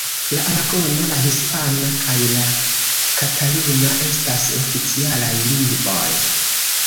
La aragona, la hispana kaj la kataluna estas oficialaj lingvoj.